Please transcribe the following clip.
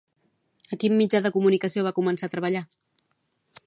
A quin mitjà de comunicació va començar a treballar?